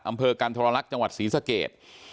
อำเภอกันทรลักษณ์จังหวัดศรีสเกต